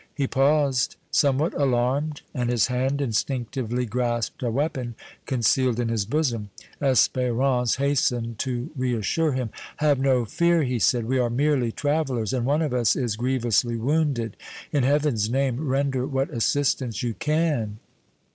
He paused, somewhat alarmed, and his hand instinctively grasped a weapon concealed in his bosom. Espérance hastened to reassure him. "Have no fear," he said. "We are merely travelers, and one of us is grievously wounded. In Heaven's name, render what assistance you can!"